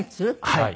はい。